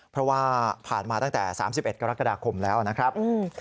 เพราะว่าผ่านมาตั้งแต่๓๑กรกฎาคมแล้วนะครับ